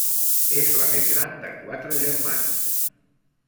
És la més gran de quatre germans.